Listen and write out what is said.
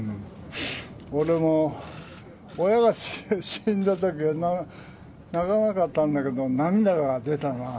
俺も親が死んだときは泣かなかったんだけど、涙が出たな。